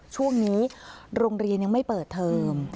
ช่วงนี้โรงเรียนยังไม่เปิดเทอม